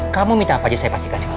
kamu minta apa aja saya pasti kasih kamu